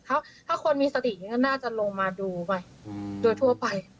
ถ้าคนมีสติก็น่าจะลงมาดูด้วยทั่วไป